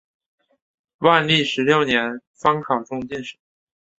万历十六年方考中进士。